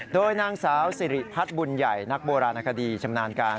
โดยนางสาวสิริพัฒน์บุญใหญ่นักโบราณคดีชำนาญการ